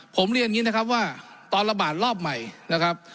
ผมเรียนอย่างนี้นะครับว่าตอนระบาดรอบใหม่นะครับ